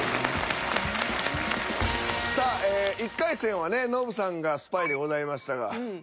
さあ１回戦はねノブさんがスパイでございましたが。